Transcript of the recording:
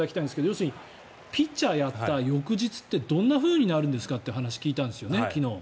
要するにピッチャーをやった翌日ってどんなふうになるんですかって聞いたんですよね、昨日。